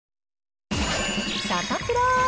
サタプラ。